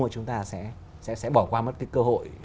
mà chúng ta sẽ bỏ qua mất cái cơ hội